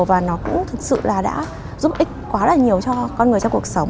và nó cũng thực sự là đã giúp ích quá là nhiều cho con người trong cuộc sống